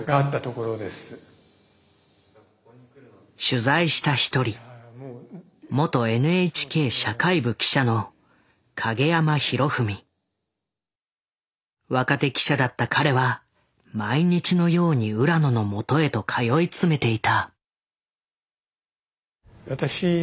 取材した一人若手記者だった彼は毎日のように浦野のもとへと通い詰めていた。